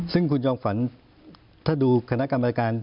ซึ่งคุณจอมฝันถ้าดูคณะกรรมการ